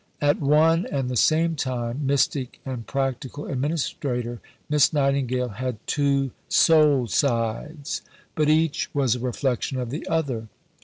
At one and the same time mystic and practical administrator, Miss Nightingale had two soul sides; but each was a reflection of the other.